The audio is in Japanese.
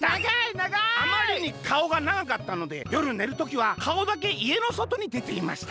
「あまりにかおがながかったのでよるねる時はかおだけいえのそとにでていました」。